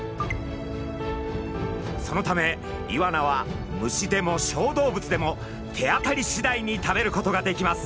そのためイワナは虫でも小動物でも手当たりしだいに食べることができます。